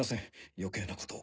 余計なことを。